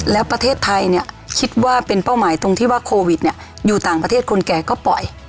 แล้วประเทศไทยเนี่ยคิดว่าเป็นเป้าหมายตรงที่ว่าโควิดเนี่ยอยู่ต่างประเทศคนแก่ก็ปล่อย